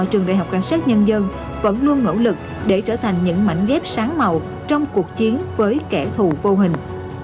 trường đhcn vẫn luôn nỗ lực để trở thành những mảnh ghép sáng màu trong cuộc chiến với kẻ thù vô hình